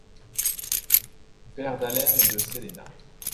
Père d'Allen et de Celena.